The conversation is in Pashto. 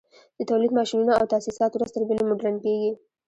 د تولید ماشینونه او تاسیسات ورځ تر بلې مډرن کېږي